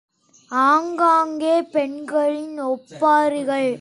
ஆங்காங்கே பெண்களின் ஒப்பாரிகள்.